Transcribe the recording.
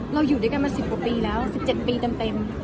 เราอยู่ด้วยกันมาสิบกว่าปีแล้วสิบเจ็ดปีเต็ม